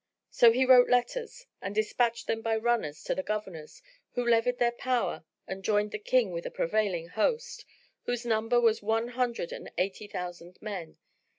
So he wrote letters and despatched them by runners to the Governors, who levied their power and joined the King with a prevailing host, whose number was one hundred and eighty thousand men.